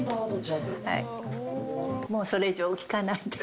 もうそれ以上聞かないで。